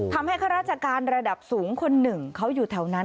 ข้าราชการระดับสูงคนหนึ่งเขาอยู่แถวนั้น